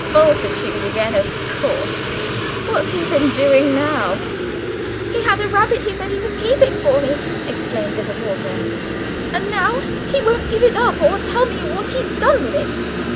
"Bultitude again, of course. What's he been doing now?" "He had a rabbit he said he was keeping for me," explained little Porter: "and now he won't give it up or tell me what he's done with it."